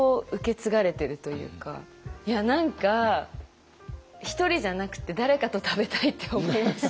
いや何か一人じゃなくて誰かと食べたいって思いました。